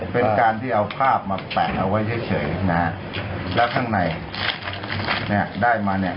เป็นการที่เอาภาพมาแปะเอาไว้เฉยนะฮะแล้วข้างในเนี่ยได้มาเนี่ย